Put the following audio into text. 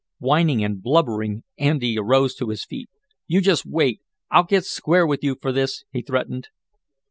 Whining and blubbering Andy arose to his feet. "You just wait. I'll get square with you for this," he threatened.